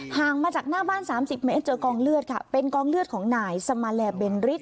ห่างมาจากหน้าบ้านสามสิบเมตรเจอกองเลือดค่ะเป็นกองเลือดของนายสมาแลเบนริส